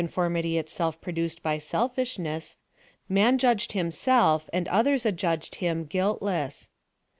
165 — a coiifoi mity itself produced by selfishness, man judged himself, and others adjudged him, guiltless.